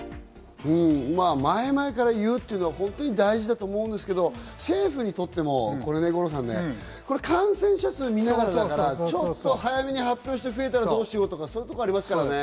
前々から言うというのは本当に大事だと思うんですけど、政府にとってもね、五郎さん、感染者数を見ながらだから、ちょっと早めに発表して増えたらどうしようとか、そういうことありますからね。